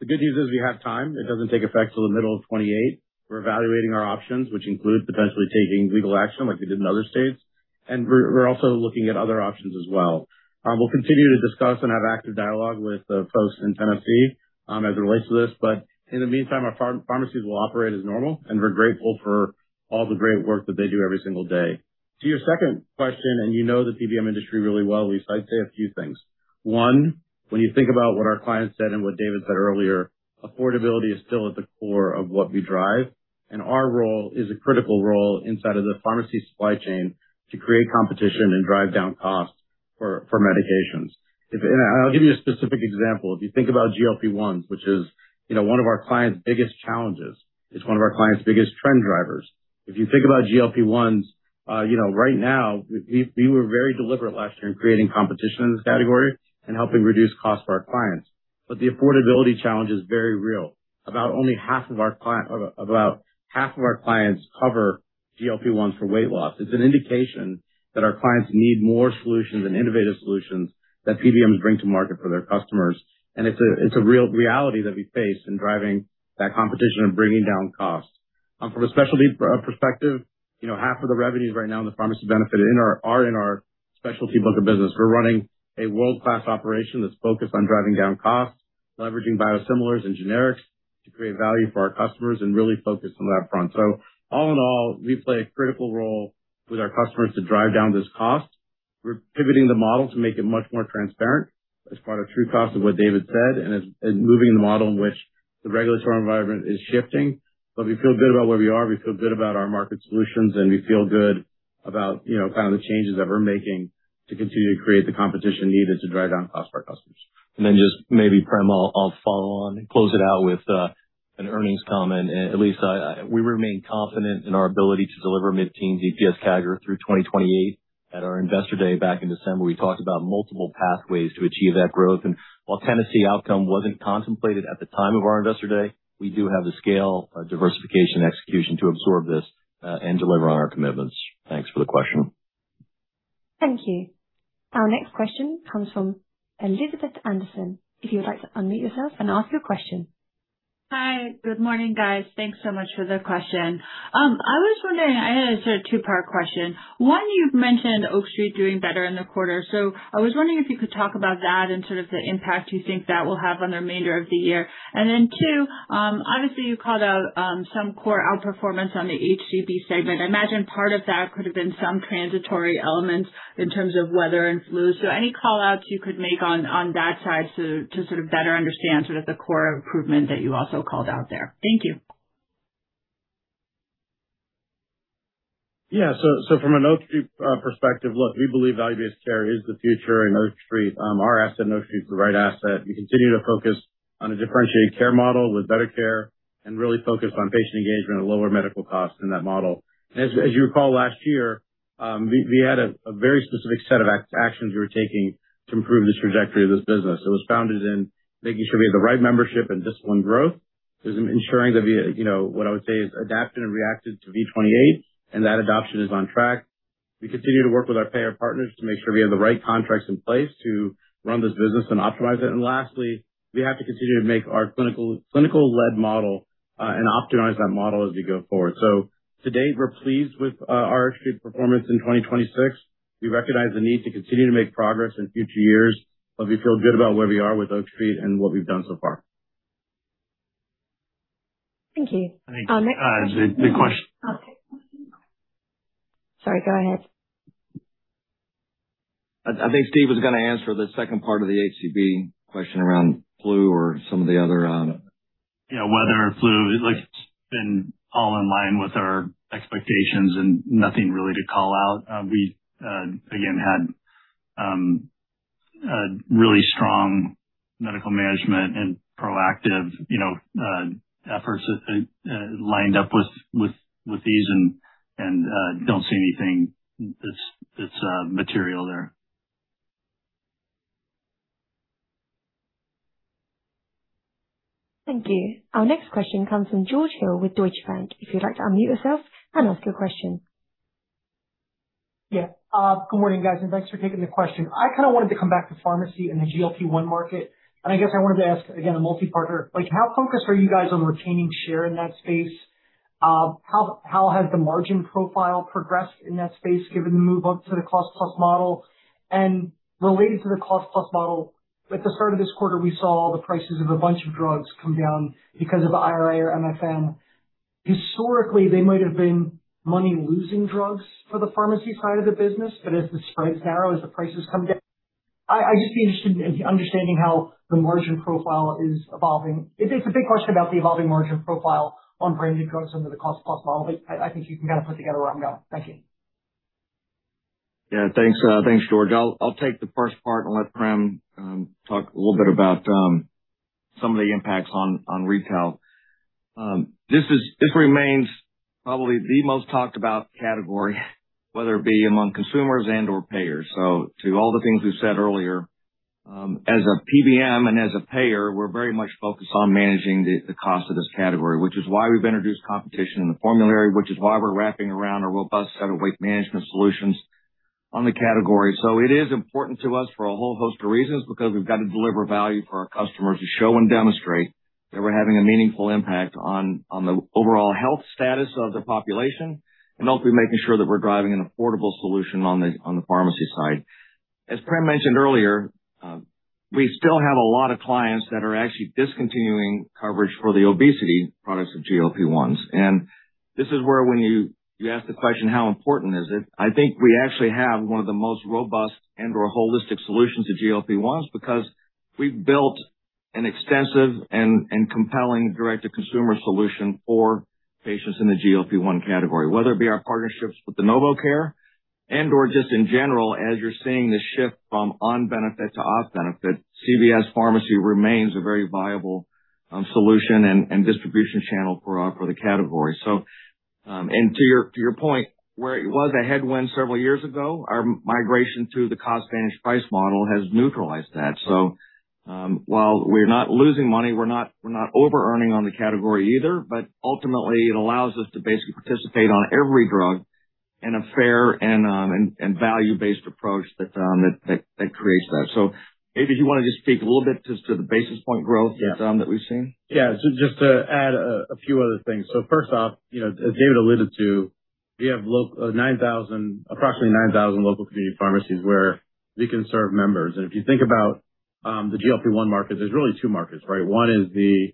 Speaker 8: The good news is we have time. It doesn't take effect till the middle of 2028. We're evaluating our options, which includes potentially taking legal action like we did in other states. We're also looking at other options as well. We'll continue to discuss and have active dialogue with the folks in Tennessee as it relates to this. In the meantime, our pharmacies will operate as normal, and we're grateful for all the great work that they do every single day. To your second question, you know the PBM industry really well, Lisa, I'd say a few things. One, when you think about what our clients said and what David said earlier, affordability is still at the core of what we drive, and our role is a critical role inside of the pharmacy supply chain to create competition and drive down costs for medications. If, I'll give you a specific example. If you think about GLP-1s, which is, you know, one of our clients' biggest challenges, it's one of our clients' biggest trend drivers. If you think about GLP-1s, you know, right now, we were very deliberate last year in creating competition in this category and helping reduce costs for our clients. The affordability challenge is very real. About half of our clients cover GLP-1s for weight loss. It's an indication that our clients need more solutions and innovative solutions that PBMs bring to market for their customers. It's a real reality that we face in driving that competition and bringing down costs. From a specialty perspective, you know, half of the revenues right now in the pharmacy benefit are in our specialty book of business. We're running a world-class operation that's focused on driving down costs, leveraging biosimilars and generics to create value for our customers and really focused on that front. All in all, we play a critical role with our customers to drive down this cost. We're pivoting the model to make it much more transparent as part of TrueCost of what David said and is moving the model in which the regulatory environment is shifting. We feel good about where we are, we feel good about our market solutions, and we feel good about, you know, kind of the changes that we're making to continue to create the competition needed to drive down costs for our customers.
Speaker 3: Just maybe, Prem, I'll follow on and close it out with an earnings comment. Lisa, we remain confident in our ability to deliver mid-teen EPS CAGR through 2028. At our Investor Day back in December, we talked about multiple pathways to achieve that growth. While Tennessee outcome wasn't contemplated at the time of our Investor Day, we do have the scale, diversification, execution to absorb this and deliver on our commitments. Thanks for the question.
Speaker 1: Thank you. Our next question comes from Elizabeth Anderson. If you would like to unmute yourself and ask your question.
Speaker 12: Hi. Good morning, guys. Thanks so much for the question. I was wondering, and it's a two-part question. One, you've mentioned Oak Street doing better in the quarter. I was wondering if you could talk about that and sort of the impact you think that will have on the remainder of the year. Then two, obviously you called out some core outperformance on the HCB segment. I imagine part of that could have been some transitory elements in terms of weather and flu. Any call-outs you could make on that side to better understand the core improvement that you also called out there? Thank you.
Speaker 8: From an Oak Street perspective, look, we believe value-based care is the future, and Oak Street, our asset in Oak Street is the right asset. We continue to focus on a differentiated care model with better care and really focus on patient engagement and lower medical costs in that model. As you recall, last year, we had a very specific set of actions we were taking to improve the trajectory of this business. It was founded in making sure we have the right membership and disciplined growth, is ensuring that we, you know, what I would say is adapted and reacted to V28 and that adoption is on track. We continue to work with our payer partners to make sure we have the right contracts in place to run this business and optimize it. Lastly, we have to continue to make our clinical-led model and optimize that model as we go forward. To date, we're pleased with our Oak Street performance in 2026. We recognize the need to continue to make progress in future years, but we feel good about where we are with Oak Street and what we've done so far.
Speaker 1: Thank you. Our next question-
Speaker 3: Thanks. Great question.
Speaker 1: Okay. Sorry, go ahead.
Speaker 3: I think Steven Nelson was gonna answer the second part of the HCB question around flu or some of the other.
Speaker 6: Yeah, weather, flu, like, it's been all in line with our expectations and nothing really to call out. We again had a really strong medical management and proactive, you know, efforts that lined up with these and don't see anything that's material there.
Speaker 1: Thank you. Our next question comes from George Hill with Deutsche Bank. If you'd like to unmute yourself and ask your question.
Speaker 13: Yeah. Good morning, guys, and thanks for taking the question. I kind of wanted to come back to pharmacy and the GLP-1 market. I guess I wanted to ask again, a multi-part here. Like, how focused are you guys on retaining share in that space? How has the margin profile progressed in that space given the move up to the cost plus model? Related to the cost plus model, at the start of this quarter, we saw the prices of a bunch of drugs come down because of IRA or MFP. Historically, they might have been money-losing drugs for the pharmacy side of the business, but as the spreads narrow, as the prices come down, I'd just be interested in understanding how the margin profile is evolving. It's a big question about the evolving margin profile on branded drugs under the cost plus model, but I think you can kind of put together where I'm going. Thank you.
Speaker 3: Yeah, thanks, George. I'll take the first part and let Prem talk a little bit about some of the impacts on retail. This remains probably the most talked about category, whether it be among consumers and/or payers. To all the things we've said earlier, as a PBM and as a payer, we're very much focused on managing the cost of this category, which is why we've introduced competition in the formulary, which is why we're wrapping around a robust set of weight management solutions on the category. It is important to us for a whole host of reasons, because we've got to deliver value for our customers to show and demonstrate that we're having a meaningful impact on the overall health status of the population, and also we're making sure that we're driving an affordable solution on the pharmacy side. As Prem mentioned earlier, we still have a lot of clients that are actually discontinuing coverage for the obesity products of GLP-1s. This is where when you ask the question, how important is it? I think we actually have one of the most robust and/or holistic solutions to GLP-1s because we've built an extensive and compelling direct-to-consumer solution for patients in the GLP-1 category, whether it be our partnerships with the NovoCare and/or just in general, as you're seeing the shift from on benefit to off benefit, CVS Pharmacy remains a very viable solution and distribution channel for the category. And to your point, where it was a headwind several years ago, our migration to the cost managed price model has neutralized that. While we're not losing money, we're not overearning on the category either. Ultimately, it allows us to basically participate on every drug in a fair and value-based approach that creates that. Maybe if you wanna just speak a little bit just to the basis point growth, that we've seen.
Speaker 8: Yeah. Just to add a few other things. First off, you know, as David alluded to, we have 9,000, approximately 9,000 local community pharmacies where we can serve members. If you think about the GLP-1 market, there's really 2 markets, right? One is the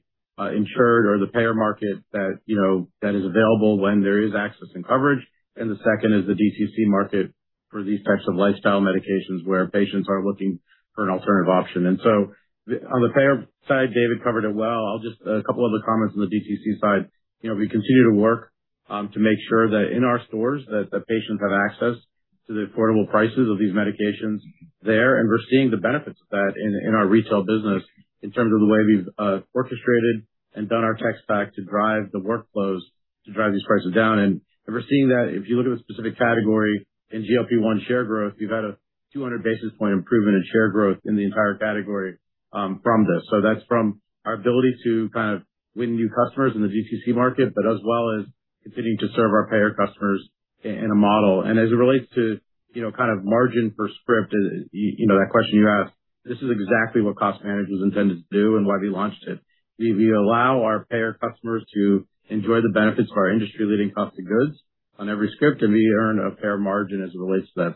Speaker 8: insured or the payer market that, you know, that is available when there is access and coverage. The second is the DTC market for these types of lifestyle medications where patients are looking for an alternative option. On the payer side, David covered it well. I'll just add a couple other comments on the DTC side. You know, we continue to work to make sure that in our stores that patients have access to the affordable prices of these medications there. We're seeing the benefits of that in our retail business in terms of the way we've orchestrated and done our tech stack to drive the workflows to drive these prices down. We're seeing that if you look at a specific category in GLP-1 share growth, we've had a 200 basis point improvement in share growth in the entire category from this. That's from our ability to kind of win new customers in the DTC market, but as well as continuing to serve our payer customers in a model. As it relates to, you know, kind of margin per script, you know, that question you asked, this is exactly what CVS CostVantage was intended to do and why we launched it. We allow our payer customers to enjoy the benefits of our industry-leading cost of goods on every script, and we earn a fair margin as it relates to that.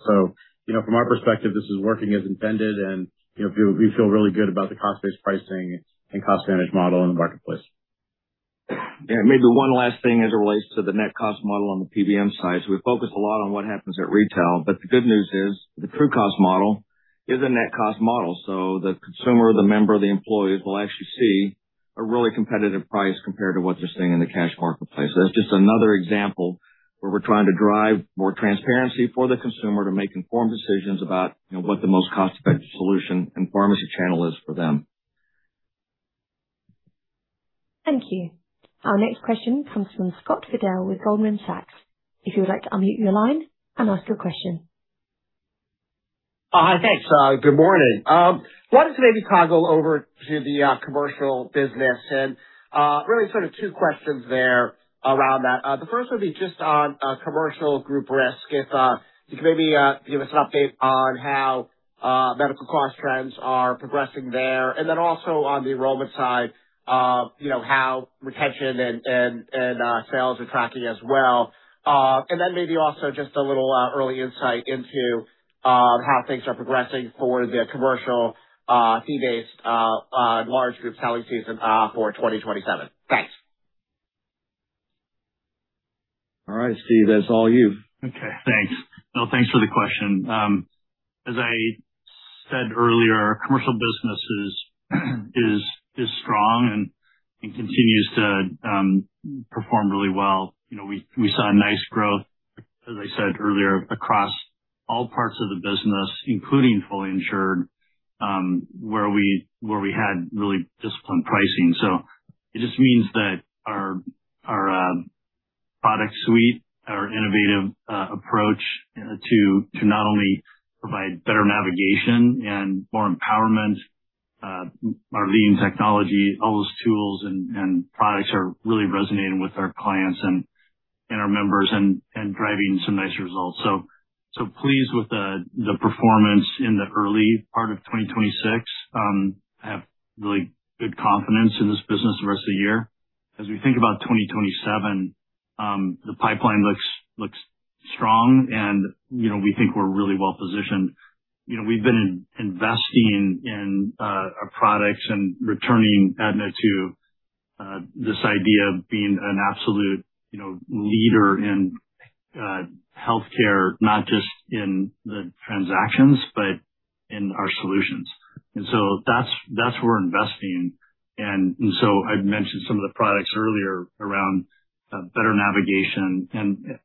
Speaker 8: You know, from our perspective, this is working as intended. You know, we feel really good about the cost-based pricing and CostVantage model in the marketplace.
Speaker 3: Yeah, maybe one last thing as it relates to the net cost model on the PBM side. We focus a lot on what happens at retail, but the good news is the TrueCost model is a net cost model. The consumer, the member, the employees will actually see a really competitive price compared to what they're seeing in the cash marketplace. That's just another example where we're trying to drive more transparency for the consumer to make informed decisions about, you know, what the most cost-effective solution and pharmacy channel is for them.
Speaker 1: Thank you. Our next question comes from Scott Fidel with Goldman Sachs. If you would like to unmute your line and ask your question.
Speaker 14: Thanks. Good morning. Wanted to maybe toggle over to the commercial business and really sort of two questions there around that. The first would be just on commercial group risk, if you could maybe give us an update on how medical cost trends are progressing there, and then also on the enrollment side, you know, how retention and sales are tracking as well. Then maybe also just a little early insight into how things are progressing for the commercial fee-based large group selling season for 2027. Thanks.
Speaker 3: All right, Steve, that's all you.
Speaker 6: Thanks. Thanks for the question. As I said earlier, commercial businesses is strong and continues to perform really well. You know, we saw nice growth, as I said earlier, across all parts of the business, including fully insured, where we had really disciplined pricing. It just means that our product suite, our innovative approach to not only provide better navigation and more empowerment, our lean technology, all those tools and products are really resonating with our clients and our members and driving some nice results. Pleased with the performance in the early part of 2026. I have really good confidence in this business the rest of the year. As we think about 2027, you know, the pipeline looks strong, we think we're really well positioned. You know, we've been investing in our products and returning Aetna to this idea of being an absolute, you know, leader in healthcare, not just in the transactions, but in our solutions. That's where we're investing. I've mentioned some of the products earlier around better navigation and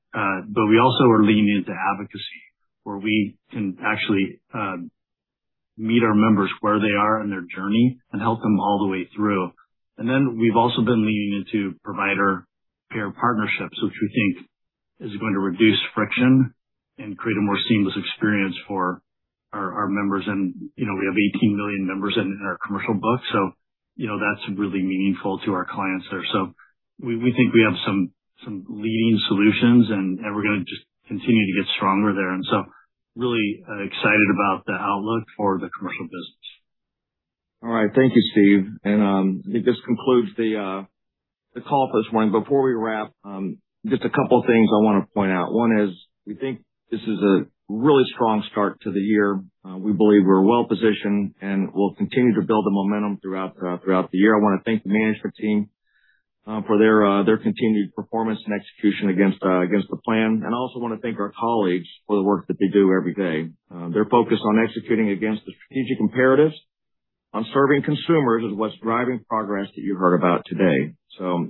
Speaker 6: we also are leaning into advocacy, where we can actually meet our members where they are in their journey and help them all the way through. We've also been leaning into provider care partnerships, which we think is going to reduce friction and create a more seamless experience for our members. You know, we have 18 million members in our commercial book, so, you know, that's really meaningful to our clients there. We think we have some leading solutions and we're gonna just continue to get stronger there. Really excited about the outlook for the commercial business.
Speaker 3: All right. Thank you, Steve. I think this concludes the call for this morning. Before we wrap, just a couple of things I wanna point out. One is we think this is a really strong start to the year. We believe we're well positioned, and we'll continue to build the momentum throughout the year. I wanna thank the management team for their continued performance and execution against the plan. I also wanna thank our colleagues for the work that they do every day. Their focus on executing against the strategic imperatives on serving consumers is what's driving progress that you heard about today.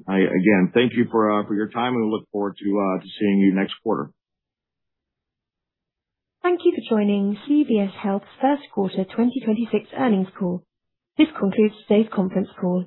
Speaker 3: I, again, thank you for your time, and we look forward to seeing you next quarter.
Speaker 1: Thank you for joining CVS Health first quarter 2026 earnings call. This concludes today's conference call.